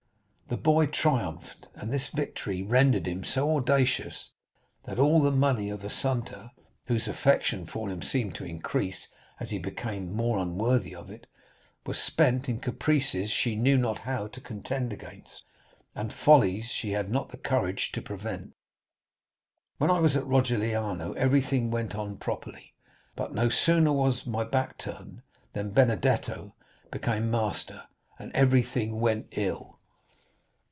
"The boy triumphed, and this victory rendered him so audacious, that all the money of Assunta, whose affection for him seemed to increase as he became more unworthy of it, was spent in caprices she knew not how to contend against, and follies she had not the courage to prevent. When I was at Rogliano everything went on properly, but no sooner was my back turned than Benedetto became master, and everything went ill.